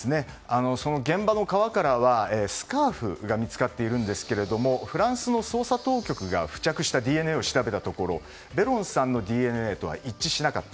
現場の川からは、スカーフが見つかっているんですがフランスの捜査当局が付着したＤＮＡを調べたところベロンさんのＤＮＡとは一致しなかった。